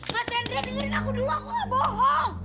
mas hendra dengerin aku dulu aku gak bohong